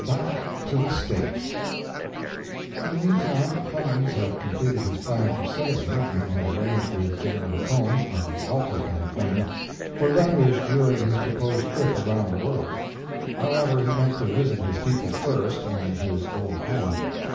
BACK TO THE STATES In the mean time Clemens had completed his plan for sailing, and had arranged with General McComb, of the Alta California, for letters during his proposed trip around the world. However, he meant to visit his people first, and his old home.